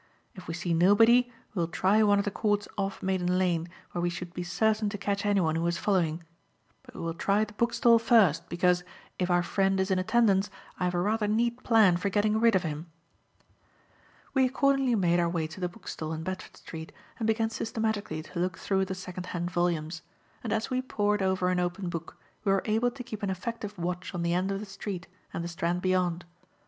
If we see nobody, we will try one of the courts off Maiden Lane where we should be certain to catch anyone who was following. But we will try the bookstall first because, if our friend is in attendance, I have a rather neat plan for getting rid of him." We accordingly made our way to the bookstall in Bedford Street and began systematically to look through the second hand volumes; and as we pored over an open book, we were able to keep an effective watch on the end of the street and the Strand beyond.